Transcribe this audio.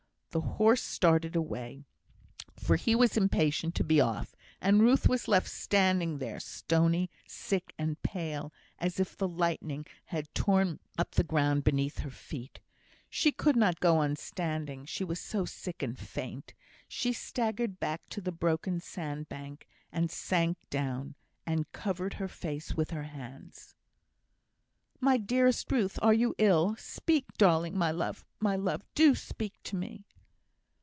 The horse started away, for he was impatient to be off, and Ruth was left standing there, stony, sick, and pale, as if the lightning had torn up the ground beneath her feet. She could not go on standing, she was so sick and faint; she staggered back to the broken sand bank, and sank down, and covered her face with her hands. "My dearest Ruth! are you ill? Speak, darling! My love, my love, do speak to me!"